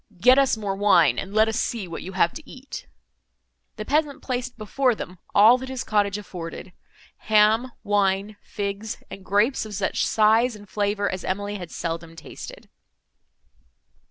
Get us more wine, and let us see what you have to eat." The peasant placed before them all that his cottage afforded—ham, wine, figs, and grapes of such size and flavour, as Emily had seldom tasted.